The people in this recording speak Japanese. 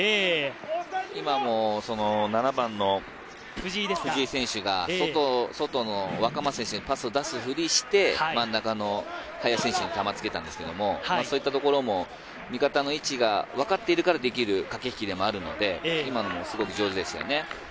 今も７番の藤井選手が外の若松選手にパスを出すふりをして真ん中の林選手へ球をつけたんですけれど、そういったところも味方の位置が分かってるからできる駆け引きでもあるので、今のもすごく上手でしたね。